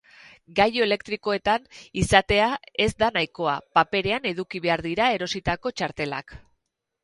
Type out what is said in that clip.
Gailu elektronikoetan izatea ez da nahikoa, paperean eduki behar dira erositako txartelak.